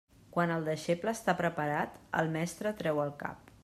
Quan el deixeble està preparat, el mestre treu el cap.